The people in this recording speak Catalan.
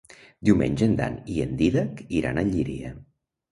Diumenge en Dan i en Dídac iran a Llíria.